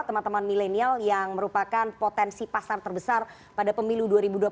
teman teman milenial yang merupakan potensi pasar terbesar pada pemilu dua ribu dua puluh